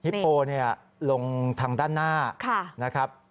ฮิปโปลงทางด้านหน้า